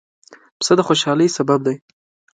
پسه د خوشحالۍ سبب دی.